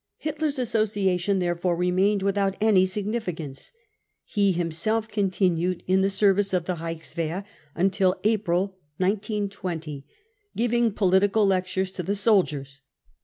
Hitler's Association therefore remained without any signi ficance. He himself continued in the service of the Reichs wehr •until April 1920, giving political lectures to the soldiers.